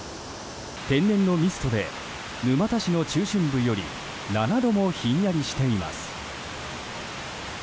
天然のミストで沼田市の中心部より７度もひんやりしています。